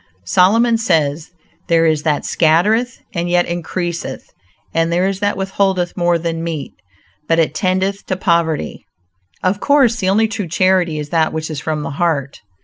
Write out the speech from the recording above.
Solomon says: "There is that scattereth and yet increaseth; and there is that withholdeth more than meet, but it tendeth to poverty." Of course the only true charity is that which is from the heart.